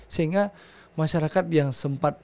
sehingga masyarakat yang sempat